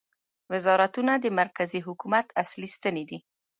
وزارتونه د مرکزي حکومت اصلي ستنې دي